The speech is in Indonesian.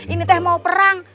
ini teh mau perang